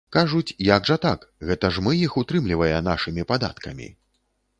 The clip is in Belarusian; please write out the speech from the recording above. Кажуць, як жа так, гэта ж мы іх утрымлівае нашымі падаткамі.